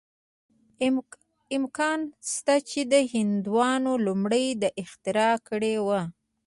امکان شته چې هندوانو لومړی دا اختراع کړې وه.